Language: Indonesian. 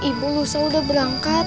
ibu lusa udah berangkat